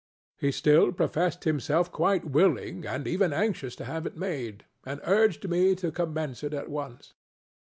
He still professed himself quite willing and even anxious to have it made, and urged me to commence it at once.